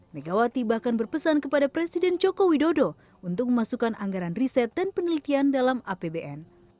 megawati bahkan berpesan kepada presiden joko widodo untuk memasukkan anggaran riset dan penelitian dalam apbn